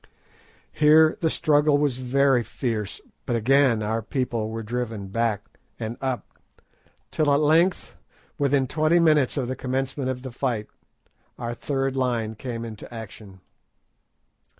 Here the struggle was very fierce, but again our people were driven back and up, till at length, within twenty minutes of the commencement of the fight, our third line came into action.